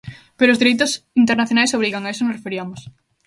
Pero os dereitos internacionais obrigan, a iso nos referiamos.